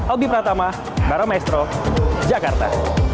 albi pratama baro maestro jakarta